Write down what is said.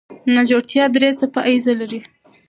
ناجوړتیا درې څپه ایزه ده.